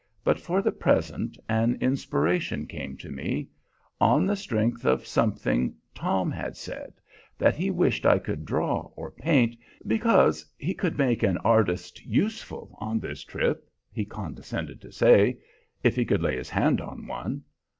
But for the present an inspiration came to me, on the strength of something Tom had said, that he wished I could draw or paint, because he could make an artist useful on this trip, he condescended to say, if he could lay his hand on one.